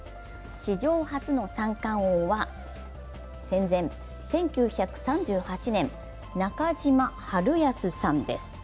史上初の三冠王は、戦前、１９３８年、中島治康さんです。